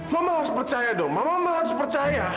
mama harus percaya dong mama mama harus percaya